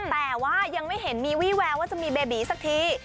แต่ว่ายังไม่เห็นมีวี่แววว่าจะมีเบบีสักที